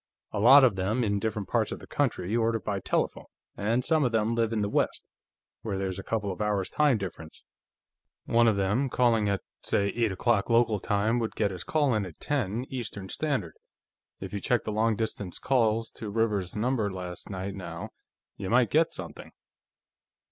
A lot of them, in different parts of the country, order by telephone, and some of them live in the West, where there's a couple of hours' time difference. One of them, calling at, say, eight o'clock, local time, would get his call in at ten, Eastern Standard. If you checked the long distance calls to Rivers's number last night, now, you might get something."